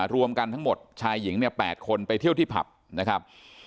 รวมกันทั้งหมดชายหญิงเนี่ย๘คนไปเที่ยวที่ผับนะครับ